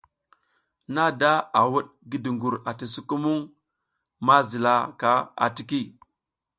Nada a wuɗ ngi dugur ati sukumuŋ ma zila ka atiki.